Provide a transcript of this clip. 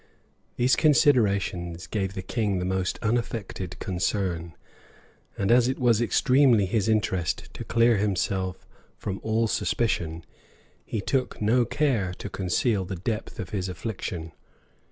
These considerations gave the king the most unaffected concern; and as it was extremely his interest to clear himself from all suspicion, he took no care to conceal the depth of his affliction.